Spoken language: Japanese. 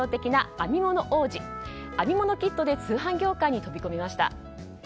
編み物キットで通販業界に飛び込みました。